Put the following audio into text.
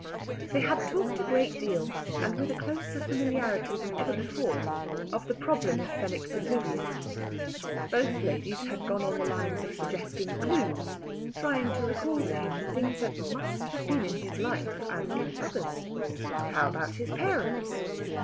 They had talked a great deal, and with a closer familiarity than ever before, of the problem of Fenwick's oblivion. Both ladies had gone on the lines of suggesting clues, trying to recall to him the things that must have been in his life as in others. How about his parents?